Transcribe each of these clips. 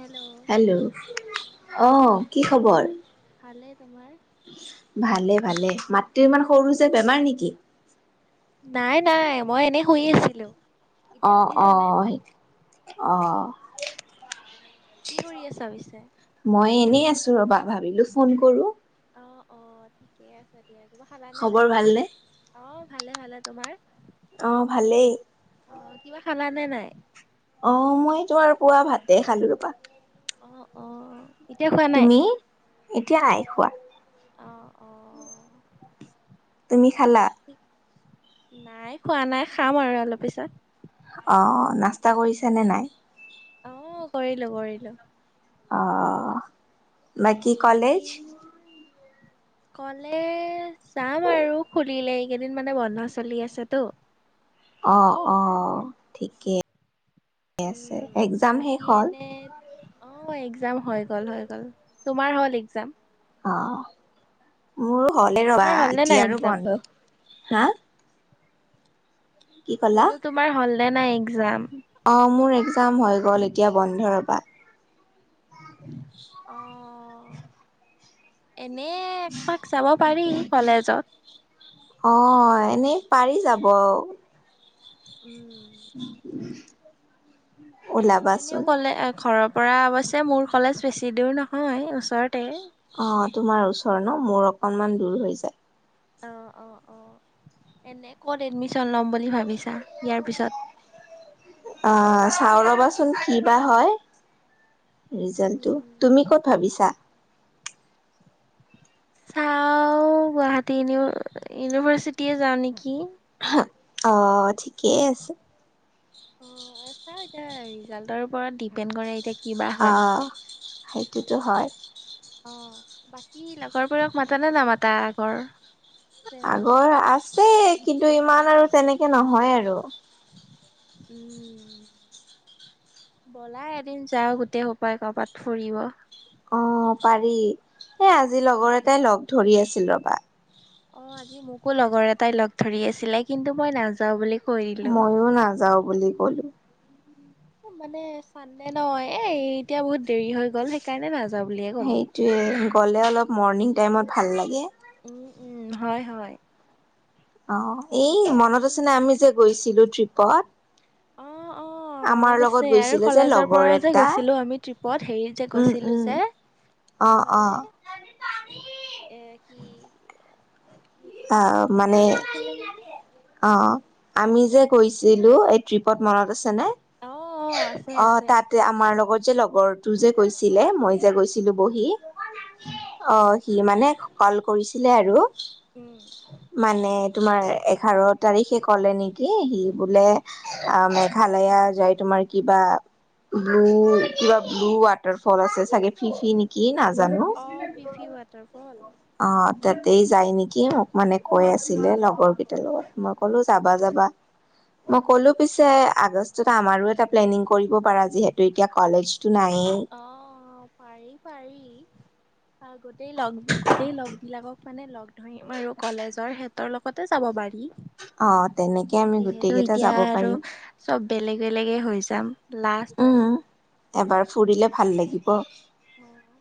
Hello অ hello, অ, কি খবৰ? ভালে তোমাৰ? ভালে ভালে মাতটো ইমান সৰু যে বেমাৰ নেকি? নাই, নাই, মই এনে শুই আছিলো। এতিয়া অ', শুনিছানে? অ', অ'। কি কৰি আছা পিছে? মই এনেই আছো ৰ'বা ভাবিলো ফোন কৰোঁ। অ', অ', ঠিকে আছে দিয়া, কিবা খালা নে নাই? খবৰ ভালনে অ', ভালে ভালে, তোমাৰ? অ', ভালেই। অ', কিবা খালা নে নাই? অ', মই এ তোমাৰ আৰু পুৱা ভাতে খালো ৰ'বা। অ', অ', এতিয়া খোৱা নাই? তুমি এতিয়া নাই খোৱা অ', অ', তুমি খালা বাকী নাই খোৱা নাই খাম আৰু অলপ পিছত। অ', নাস্তা কৰিছানে নাই? অ', কৰিলোঁ কৰিলোঁ। অ'। বাকী কলেজ যাম আৰু খুলিলে এইকেইদিন মানে বন্ধ চলি আছেতো। অ', অ', থিকেই। উম, বাকী হ'ল এনেই অ, একজাম হৈ গ'ল হৈ গ'ল, তোমাৰ হ'ল একজাম? অ', মোৰৰ হ'লে ৰ'বা, তোমাৰ হ'ল নে নাই এতিয়াৰো এক্জাম? বন্ধ হা? কি ক'লা বোলো তোমাৰ হ'লনে নাই একজাম? অ', মোৰ এক্সাম হৈ গ'ল এতিয়া বন্ধ ৰ'বা। [unintelligible] অ', এনে একপাক যাব পাৰি কলেজত। অ, ' এনেই পাৰি যাব। উম। [inaudible] ওলাবাচোন এনেও ক'লে ঘৰৰ পৰা অৱশ্যে মোৰ কলেজ বেছি দূৰ নহয় ওচৰতে। অ' তোমাৰ ওচৰ ন' মোৰ অকণমান দূৰ হৈ যায়। অ', অ', অ', এনে ক'ত এডমিশন ল'ম বুলি ভাবিছা ইয়াৰ পিছত? আহ চাওঁ ৰবাচোন কি বা হয়, ৰিজাল্টটো। তুমি ক'ত ভাবিছা? চাওঁ গুৱাহাটী ইউনি-ইউনিভাৰ্চিটি‌য়ে যাওঁ নেকি। অ', ঠিকেই আছে। অ', চাও ৰিজাল্টৰ ওপৰত ডিপেণ্ড এতিয়া কিবা হয়। অ', সেইটোতো হয়। অ', বাকী লগৰবোৰক মাতানে নামাতা আগৰ? ফ্ৰেণ্ডছবোৰ? আগৰ আছে কিন্তু ইমান আৰু তেনেকে নহয় আৰু। উম। ব'লা এদিন যাওঁ গোটেই সোপাই ক'ৰবাত ফুৰিব। অ', পাৰি, এই আজি লগৰ এটাই লগ ধৰি আছিল ৰ'বা। অ', আজি মোকো লগৰ এটাই লগ ধৰি আছিলে কিন্তু মই নাযাওঁ বুলি কৈ দিলো। ময়ো নাযাওঁ বুলি ক'লো। মানে চানডে ন' এ এতিয়া বহুত দেৰি হৈ গ'ল সেইকাৰণে নাযাওঁ বুলিয়ে ক'লো। সেইটোৱে গ'লে অলপ মৰ্ণিং টাইমত ভাল লাগে। উম, উম, হয়, হয়। অ', এই এতিয়া মনত আৰু আছে নে আমি যে গৈছিলো ট্ৰিপত? অ', অ'। অ', আমাৰ মনত লগত আছে, আৰু গৈছিলে যে কলেজৰ লগৰ পৰাও যে এটা গৈছিলোঁ আমি ট্ৰিপত হেৰিত যে উম গৈছিলোঁ উম যে। অ অ এইফালে। [unintelligible] এ কি হিষ্ট্ৰী আহ ডিপাৰ্টমেণ্টে মানে লৈ গৈছিল নেকি? অ', আমি যে গৈছিলো এই ট্ৰিপত মনত আছেনে? অ অ আছে অ', আছে তাত আমাৰ লগত যে লগৰটো যে গৈছিলে মই যে গৈছিলো বহি। অ', সি মানে ক'ল কৰিছিলে আৰু। উম। মানে তোমাৰ এঘাৰ তাৰিখে ক'লে নেকি সি বোলে অ', মেঘালয় যাই তোমাৰ কিবা ব্লু কিবা ব্লু ৱাটাৰ ফ'ল আছে চাগে ফি ফি নি কি নাজানো? অ', ফি ফি ৱাটাৰফ'ল। অ', তাতেই যায় নেকি? মোক মানে কৈ আছিলে লগৰ কেইটাৰ লগত মই ক'লো যাবা যাবা। মই ক'লো পিছে আগষ্টত আমাৰো এটা প্লেনিং কৰিব পাৰা যিহেতু এতিয়া কলেজটো নাইয়েই। অ', অ', পাৰি, পাৰি গোটেই ল'গ গোটেই ল'গবিলাকক মানে ল'গ ধৰিম আৰু কলেজৰ সিহতৰ ল'গতে যাব পাৰি। অ তেনেকে আমি গোটেই যিহেতু কেইটা এতিয়া যাব আৰু পাৰিম চব বেলেগ বেলেগে হৈ যাম লাষ্ট আৰু। উম এবাৰ ফুৰিলে ভাল লাগিব। অ',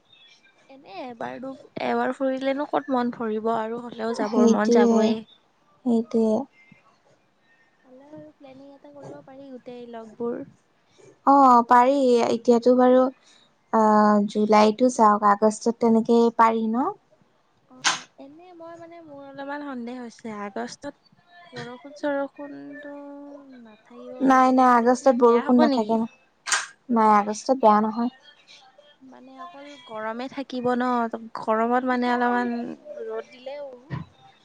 এনে এবাৰ-এবাৰ ফূৰিলেনো ক'ত মন ভৰিব আৰু। এনেও যাবৰ মন সেইটোয়ে যাবই। সেইটোয়ে হ'লেও আৰু প্লেনিং এটা কৰিব পাৰি গোটেই লগবোৰ। অ', পাৰি এতিয়াতো বাৰু অ', জুলাইতো যাওক আগষ্টত তেনেকেই পাৰি ন'? অ', এনে মই মানে মোৰ অলপমান সন্দেহ হৈছে আগষ্টত বৰষুণ-চৰষুণটো নাথাকিব নাই বাৰু নাই আগষ্টত বেছি বেয়া বৰষুণ হ'ব নাথাকে নেকি? ন নাই আগষ্টত বেয়া নহয়। মানে অকল গৰমে থাকিব ন, গৰমত মানে অলপমান ৰ'দ দিলেও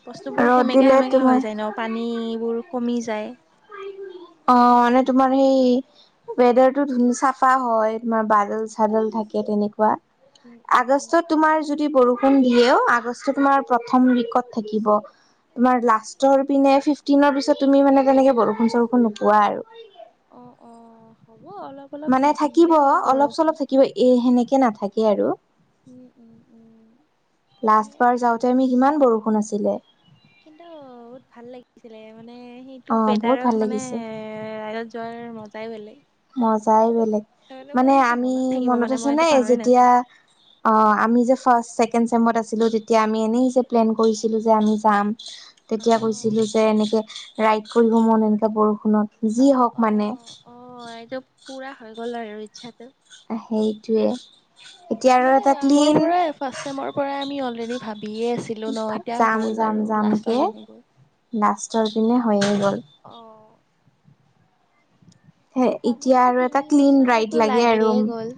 বস্তুবোৰ ৰ'দ সেমেকাে দিলে সেমেকে তোমাৰ হৈ যায় ন পানীবোৰ কমি যায়। অ মানে তোমাৰ সেই ৱেডাৰটো ধু চাফা হয়, তোমাৰ বাদল-চাদল থাকে তেনেকুৱা। উম উম উম। আগষ্টত তোমাৰ যদি বৰষুণ দিয়েও আগষ্ট তোমাৰ প্ৰথম উইকত থাকিব। তোমাৰ লাষ্টৰ পিনে ফিফটিনৰ পিছত তুমি মানে তেনেকে বৰষুণ চৰষুণ নোপোৱা আৰু। অ অ হ'ব অলপ অলপ দি মানে থাকিব দিলেই হ'ল অলপ-চলপ বৰষুণ থাকিব এ সেনেকে নাথাকে আৰু। উম উম উম মানে [unintelligible] সিমান বৰষুণ আছিলে। কিন্তু বহুত ভাল লাগিছিলে মানে অ সেইটো বহুত ভাল ৱেডাৰত মানে লাগিছে ৰাইডত যোৱাৰ মজাই বেলেগ। মজাই বেলেগ, তাৰমানে মোৰ মানে এইটো আমি থাকিব মনত মানে আছে মই এইটো নে পাহৰি যেতিয়া নাযাওঁ। অ আমি যে ফাৰ্ষ্ট ছেকেণ্ড চেমত আছিলোঁ তেতিয়া আমি এনেই যে প্লেন কৰিছিলোঁ যে আমি যাম। তেতিয়া অ', কৈছিলো যে এনেকে ৰাইড কৰিব মন এনেকৈ বৰষুণত। যি অ', হওক মানে। অ', অ এইটো পুৰা হৈ গ'ল আৰু ইচ্ছাটো। আহ সেইটোৱে, এতিয়া আৰু মানে এটা আগৰ ক্লিন পৰাই ফাৰ্ষ্ট টাইমৰ পৰাই আমি অলৰেডি ভাবিয়ে আছিলোঁ ন এতিয়া হ'ল আৰু লাষ্টৰ পিনে গৈ। নাষ্টৰ পিনে হৈয়ে গ'ল। অ। হে এতিয়া কমেও আৰু তিনি এটা ক্লন বছৰটো ৰাইড লাগে লাগিয়ে আৰু, গ'ল।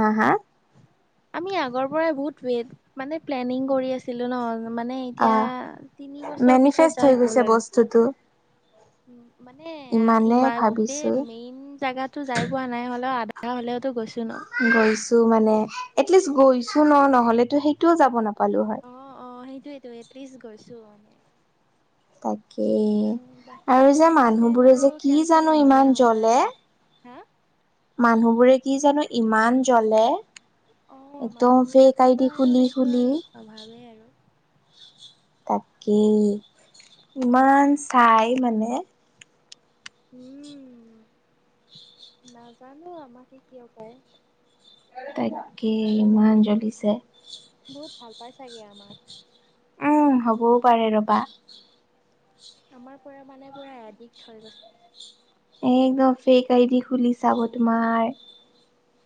হা হা? আমি আগৰ পৰাই বহুত ৱেইট, মানে প্লেনিং কৰি আছিলোঁ ন মানে অ এতিয়া তিনি বছৰ পিছত যাই হ'ল আৰু। তটো উ মানে ইমান গোটেই ভাবিছো মেইন জেগাত টো যাই পোৱা নাই হ'লেও আধা হ'লেওতো গৈছো ন। গৈছো মানে, এটলিষ্ট গৈছো ন নহ'লেতো সেইটোও যাব নাপালো হয়। অ অ সেইটোয়েতো এটলিষ্ট গৈছো অ। তাকেই উম, বাকী আৰু খিনি যে প্লেন মানুহবোৰে আৰু যে কি কেনচেল জানো নহ'লে ইমান হ'ল আৰু জ্বলে। বাকী হা? মানুহ বোৰে কি জানো ইমান জ্বলে। অ একদম মানুহ ফেক বিলাকৰ আইডি আৰু খুলি সেইটো খুলি আৰু স্বভাৱেই আৰু। তাকেই, ইমান চাই মানে উম, নাজানো আমাকে কিয় পায়। তাকেই ইমান জ্বলিছে। বহুত ভাল পাই চাগে আমাক। উম হ'বও পাৰে ৰবা। আমাৰ পৰা মানে পূৰা এদিক্ট হৈ গৈছে। একদম ফেক আইদি খুলি চাব তোমাৰ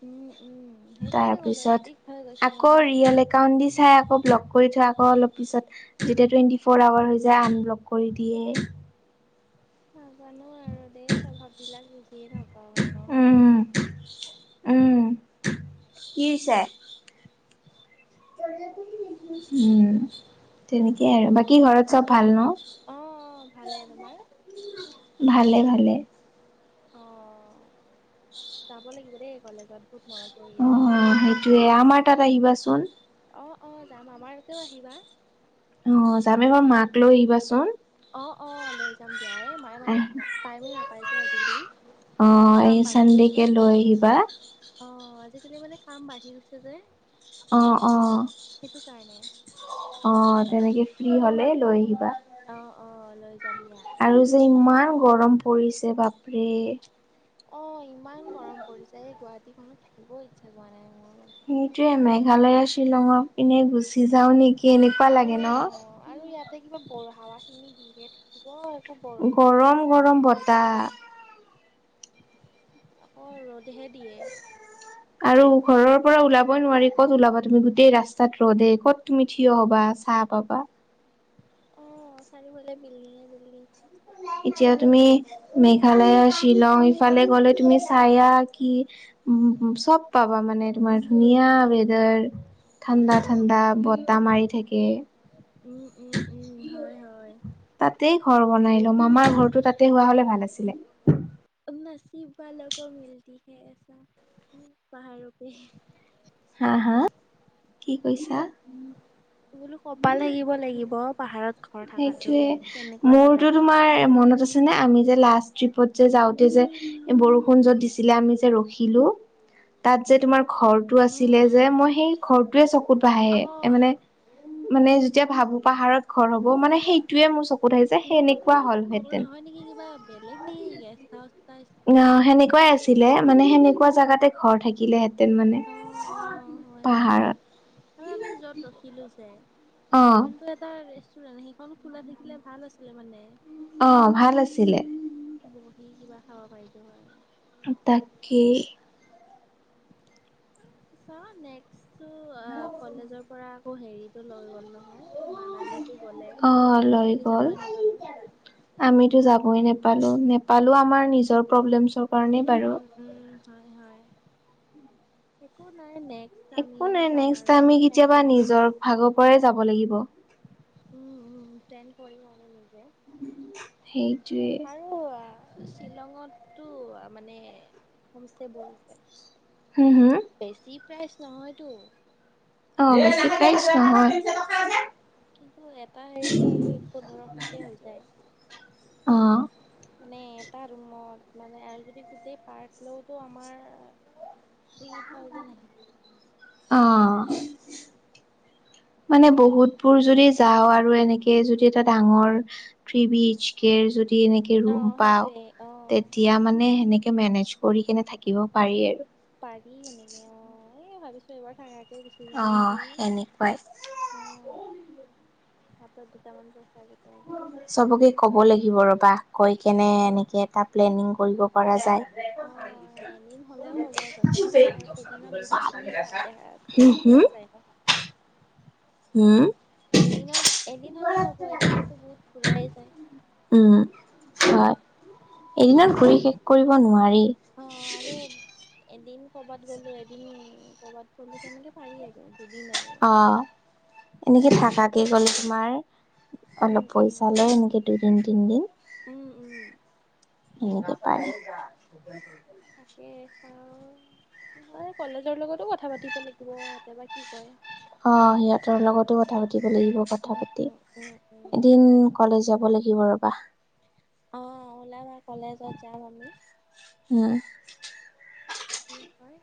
উম উম সেইটোৱেতো ক'লো, এদিক হৈ গৈছে মানে একাউন্ট দি চাই আকৌ ব্লক কৰি থয় আকৌ অলপ পিছত যেতিয়া টোৱেন্টি ফৰ আৱাৰ হৈ [unintelligible] আনব্লক কৰি দিয়ে। নাজানো আৰু দেই, স্বভাৱবিলাক বুজিয়ে নাপাওঁ মানুহৰ। উম উম, কি হৈছে? উম, তেনেকেই আৰু বাকী ঘৰত চব ভাল ন'? অ' অ' ভালে, তোমাৰ? ভালে, ভালে। অঁ, যাব লাগিব দেই কলেজত বহুত মনত পৰি অ আছে। [unintelligible] আমাৰ তাত আহিবাচোন। অ, অ ', যাম আমাৰ ইয়াতেও আহিবা। অ', যামেই বাৰু মাক লৈ আহিবাচোন। অঁ অঁ লৈ যাম দিয়া, এই মায়ে মানে টাইমেই নাপাই যে আজিকালি। অ', এই কাম বাঢ়ি গৈছে চানডেকে লৈ আহিবা। অ', আজিকালি মানে কাম বাঢ়ি গৈছে যে। অঁ, অঁ। সেইটো কাৰণে। অ', তেনেকে ফ্ৰী হ'লে লৈ আহিবা। অ', অ', লৈ যাম দিয়া। আৰু যে ইমান গৰম পৰিছে, বাপৰে। অ', ইমান গৰম পৰিছে, এই গুৱাহাটীখনত থাকিব ইচ্ছা যোৱা নাই মোৰ। সেইটোৱে মেঘালয়, শ্বিলঙৰ পিনে গুচি যাওঁ নেকি এনেকুৱা লাগে ন'। অ', আৰু ইয়াতে কিবা বৰ হাৱাখিনি দিহে ব একো ব গৰম, গৰম বতাহ। অ', ৰ'দহে দিয়ে। আৰু ঘৰৰ পৰা ওলাবই নোৱাৰি, ক'ত ওলাবা তুমি গোটেই ৰাস্তাত ৰ'দে, ক'ত তুমি থিয় হ'বা? [unintelligible] অ', চাৰিওফালে বিল্ডিঙে বিল্ডিং [unintelligible] এতিয়া তুমি মেঘালয়, শ্বিলং ইফালে গ'লে তুমি চাঁয়া কি উম, চব পাবা মানে তোমাৰ ধুনীয়া ৱেদাৰ। ঠাণ্ডা, উম। ঠাণ্ডা বতাহ মাৰি থাকে। উম, উম, উম হয়, হয়। তাতে ঘৰ বনাই ল'ম, আমাৰ ঘৰটো তাতে হোৱা হ'লে ভাল আছিলে। অ নাচিবা লগৰ মিলতি হে আছে [unintelligible] হা, হা, কি কৈছা? বোলো কপাল থাকিব লাগিব, পাহাৰত ঘৰ থকাটো সেইটোৱে তেনেকুৱা মোৰতো জেগাত তোমাৰ মনত আছ [unintelligible] আমি যে লাষ্ট ট্ৰিপত যে যাওঁতে যে, বৰষুণ য'ত দিছিলে আমি যে ৰখিলো। তাত যে তোমাৰ ঘৰটো আছিলে উম যে, উম মই সেই ঘৰটোৱে চকুত ভাহে অ এ মানে মানে যেতিয়া ভাবো, পাহাৰত ঘৰ হ'ব মানে সেই টোৱে মোৰ চকুত আহি যা মোৰ মতে যে সেইটো ঘৰ নহয় নেকি, কিবা বেলেগ নেকি গেষ্ট হাউচ টাইপ টাইপ। কুৱাই আছিলে মানে সেনেকুৱা জেগাতে ঘৰ থাকিলেহেঁতেন মানে অ অ হয় হয় পাহাৰত। আৰু আমি য'ত ৰখিলো যে অ এইখনতো এটা ৰেষ্টুৰেণ্ট, সেইখন খোলা থাকিলে ভাল আছিলে মানে। অঁ ভাল আছিলে। বহি কিবা খাব পাৰিলো হয়। তাকেই। চাওঁ নেক্সটো আহ কলেজৰ পৰা আকৌ হেৰিটো লৈ গ'ল নহয়, মানালীটো গ'লে অ লৈ গ'ল যাবই নাপালো। আমিতো যাবই নাপালো, নাপালো আমাৰ নিজৰ প্ৰব্লেমছৰ কাৰণেই বাৰু। উম উম হয় হয়, একো নাই নেক্সট একো আমিয়ে নাই যাম নেক্সট আৰু আমি প্লেন কেতিয়াবা কৰিম। নিজৰ ভাগৰ পৰাই যাব লাগিব। উম উম প্লেন কৰিম আমি নিজে। সেইটোৱে আৰু শ্বিলঙতটো মানে হোম ষ্টে বহুত আছে। হু' হু'? বেছি প্ৰাইচ নহয়তো। অ বেছি প্ৰাইচ নহয়। কিন্তু এটা হেৰি পোন্ধৰশকে হৈ যায়। অঁ। মানে এটা ৰুমত, মানে আৰু যদি গোটেই পাৰ্ট লওতো আমাৰ থ্ৰী থাউজেণ্ড আহে। অঁ। মানে বহুতবোৰ যদি যাওঁ আৰু এনেকে যদি এটা ডাঙৰ থ্ৰী বি এচ কেৰ যদি এনেকে অ ৰুম পাওঁ, সেইটোয়ে অ তেতিয়া মানে সেনেকে মেনেজ কৰি কেনে থাকিব পাৰি আৰু। পাৰি এনেকে, অ' এ ভাবিছো এইবাৰ থাকা অঁ এনেকুৱাই। অঁ হাতত দুটামান পইচা গেইটাই লৈ। চবকে ক'ব লাগিব ৰ'বা, কৈ কেনে এনেকৈ এটা প্লেনিং কৰিব পৰা যায়। অ'। এদিন হ'লেও হ'ব যথেষ্ট এদিনত বহুতখিনি পা দেখা হু হু? ঘূৰা [inaudible] যায় ন এদিনত এদিন হ'লেই হ'ব এদিনতো বহুত ঘূৰাই যায়। উম, হয়। এদিনত ঘূৰি শেষ কৰিব নোৱাৰি। অ' আৰু এ এদিন ক'ৰবাত গ'লো এদিন ক'ৰবাত গ'লো, তেনেকে পাৰি আৰু দুদিন আৰু। অ' এনেকে থাকাকে গ'লে তোমাৰ উম অলপ উম পইচা ভালে এনেকে দুইদিন তিনদিন। উম উম সেনেকে পাৰে। তাকে চাওঁ তোমাৰ কলেজৰ লগতো কথা পাতিব লাগিব ইহঁতে বা কি কয়। অঁ সিহঁতৰ লগতো কথা পাতিব লাগিব উম, কথা পাতি উম, উম। উম, এদিন কলেজ যাব লাগিব ৰ'বা। অ' ওলাবা কলেজত যাম আমি। হু'। কি হয়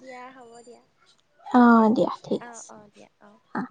দিয়া হ'ব দিয়া। অঁ দিয়া ঠিক অ', আছে, অ', দিয়া অ'। অঁ।